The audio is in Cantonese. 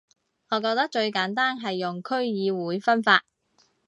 我覺得最簡單係用區議會分法